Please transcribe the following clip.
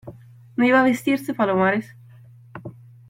¿ no iba a vestirse Palomares?